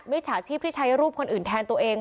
ฉาชีพที่ใช้รูปคนอื่นแทนตัวเอง